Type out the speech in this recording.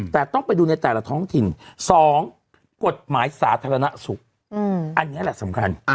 แต่ต้องไปดูในแต่ละท้องถิ่น๒กฎหมายสาธารณสุขอันนี้แหละสำคัญ